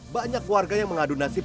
banyak warga yang mengadu nasib